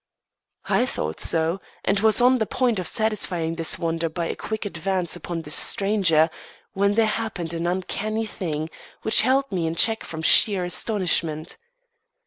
I thought so, and was on the point of satisfying this wonder by a quick advance upon this stranger, when there happened an uncanny thing, which held me in check from sheer astonishment.